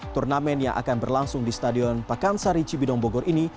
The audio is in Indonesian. turnamen yang akan berlangsung di stadion pakansari cibidong bogor ini